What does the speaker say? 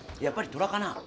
やっぱり虎かな？